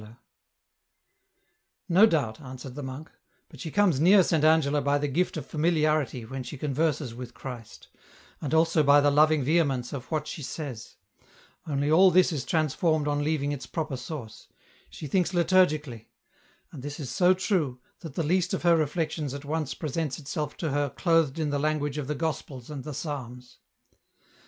No doubt," answered the monk. " But she comes near Saint Angela by the gift of familiarity when she converses with Christ, and also by the loving vehemence of what she says ; only all this is transformed on leaving its proper source ; she thinks liturgically ; and this is so true, that the least of her reflections at once presents itself to her clothed in the language of the Gospels and the Psalms.